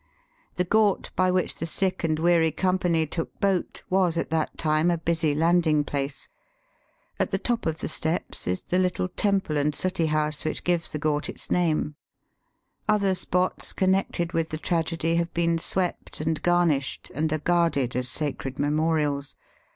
The ghat by which the sick and weary com pany took boat was at that time a busy land ing place. At the top of the steps is the little VOL. II. 36 Digitized by VjOOQIC 258 EAST BY WEST. temple and suttee house which gives the ghat its name. Other spots connected with the tragedy have been swept and garnished, and are guarded as sacred memorials.